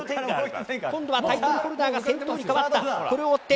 今度はタイトルホルダーが先頭に変わった。